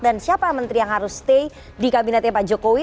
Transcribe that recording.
dan siapa menteri yang harus stay di kabinetnya pak jokowi